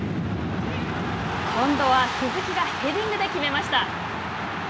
今度は鈴木がヘディングで決めました。